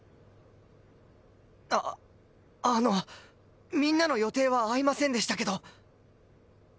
ああのみんなの予定は合いませんでしたけど。